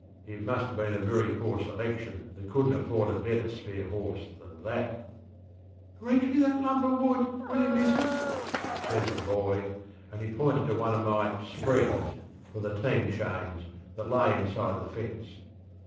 It must have been a very poor selection that couldnŌĆÖt afford a better spare horse than that. ŌĆśReach me that lump er wood, will yer, missus? ŌĆÖ said the boy, and he pointed to one of my ŌĆśspreadsŌĆÖ (for the team chains) that lay inside the fence.